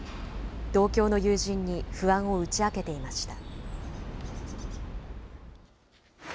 同郷の友人に不安を打ち明けていました。